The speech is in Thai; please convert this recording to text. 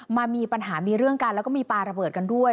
มามีปัญหามีเรื่องกันแล้วก็มีปลาระเบิดกันด้วย